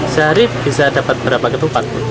sehari bisa dapat berapa ketupat